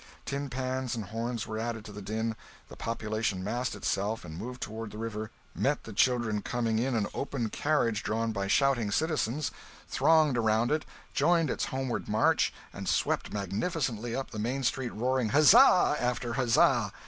Tin pans and horns were added to the din, the population massed itself and moved toward the river, met the children coming in an open carriage drawn by shouting citizens, thronged around it, joined its homeward march, and swept magnificently up the main street roaring huzzah after huzzah!